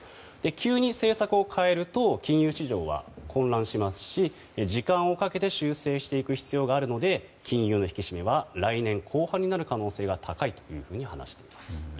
急に政策を変えると金融市場は混乱しますし時間をかけて修正していく必要があるので金融の引き締めは来年後半になる可能性が高いと話しています。